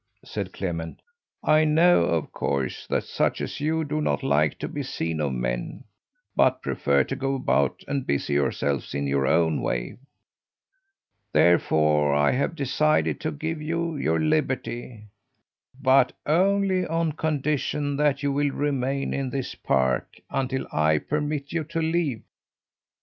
said Clement. "I know of course that such as you do not like to be seen of men, but prefer to go about and busy yourselves in your own way. Therefore I have decided to give you your liberty but only on condition that you will remain in this park until I permit you to leave.